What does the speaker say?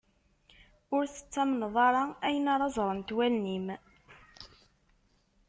Ur tettamneḍ ara ayen ara ẓrent wallen-im.